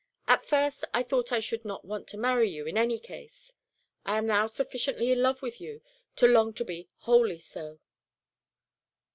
At first I thought I should not want to marry you in any case. I am now sufficiently in love with you to long to be wholly so."